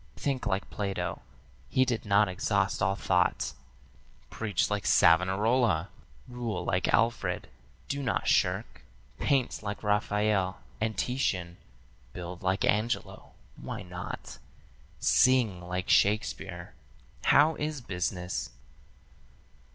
Think like Plato, he did not exhaust all thought; Preach like Savonarola; rule like Alfred; do not shirk; Paint like Raphael and Titian; build like Angelo why not? Sing like Shakespeare. 'How is business?'